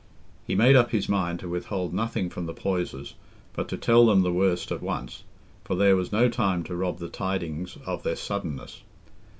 He made up his mind to withhold nothing from the Poysers, but to tell them the worst at once, for there was no time to rob the tidings of their suddenness.